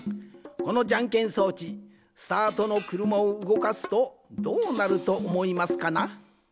このじゃんけん装置スタートのくるまをうごかすとどうなるとおもいますかな？